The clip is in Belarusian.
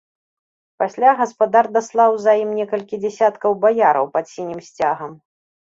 Пасля гаспадар даслаў за ім некалькі дзясяткаў баяраў пад сінім сцягам.